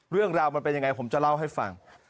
เรื่องราวมันเป็นยังไงผมจะเล่าให้ฟัง